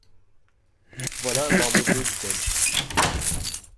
Voilà Barbe-Bleue, dit-elle.